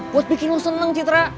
buat bikin nu seneng citra